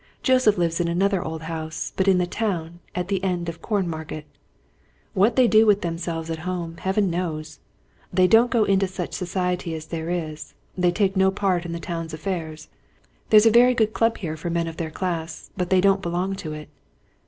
Joseph lives in another old house, but in the town, at the end of Cornmarket. What they do with themselves at home, Heaven knows! They don't go into such society as there is; they take no part in the town's affairs. There's a very good club here for men of their class they don't belong to it.